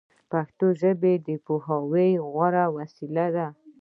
پښتو ژبه د پوهاوي غوره وسیله ده